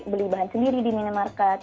beli bahan sendiri di minimarket